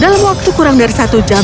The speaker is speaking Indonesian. dalam waktu kurang dari satu jam